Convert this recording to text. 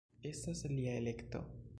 Estas lia elekto.